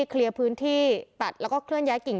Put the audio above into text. เคลียร์พื้นที่ตัดแล้วก็เคลื่อนย้ายกิ่ง